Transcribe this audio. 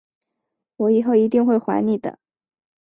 我以后一定会还你的